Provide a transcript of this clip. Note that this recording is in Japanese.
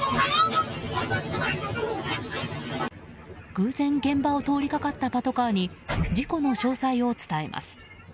偶然現場を通りかかったパトカーに事故の詳細を伝えます。